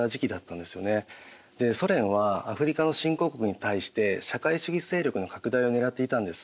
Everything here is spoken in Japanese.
でソ連はアフリカの新興国に対して社会主義勢力の拡大をねらっていたんです。